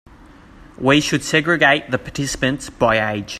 We should segregate the participants by age.